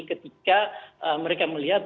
ketika mereka melihat